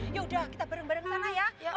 yaudah kita bareng bareng sana ya